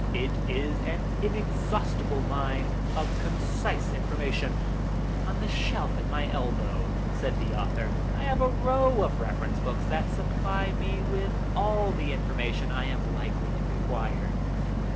It is an inexhaustible mine of concise information—" "On a shelf at my elbow," said the author, "I have a row of reference books that supply me with all the information I am likely to require."